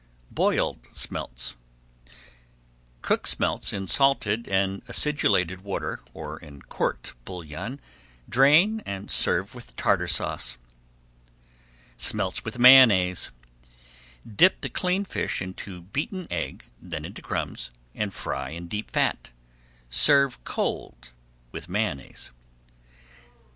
BOILED SMELTS Cook smelts in salted and acidulated water, or in court bouillon, [Page 377] drain and serve with Tartar Sauce. SMELTS WITH MAYONNAISE Dip the cleaned fish into beaten egg, then into crumbs, and fry in deep fat. Serve cold with Mayonnaise.